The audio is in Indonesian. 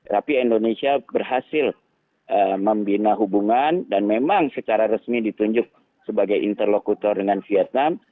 tapi indonesia berhasil membina hubungan dan memang secara resmi ditunjuk sebagai interlokutor dengan vietnam